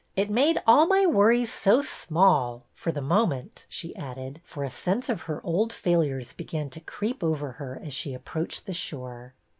It made all my worries so small — for the moment," she added, for a sense of her old failures began to creep over her as she approached the shore.